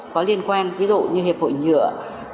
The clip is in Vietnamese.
có liên quan ví dụ như hiệp hội nhựa